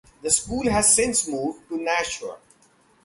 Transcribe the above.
The school has since moved to Nashua.